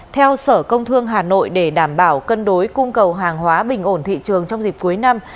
theo sở công thương hà nội để đảm bảo cân đối cung cầu hàng hóa bình ổn thị trường trong dịp cuối năm